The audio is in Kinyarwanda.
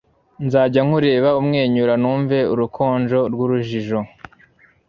nzajya nkureba umwenyura numve urukonjo rw'urujijo